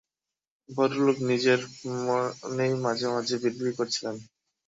ভদ্রলোক নিজের মনেই মাঝেমাঝে বিড়বিড় করছিলেন।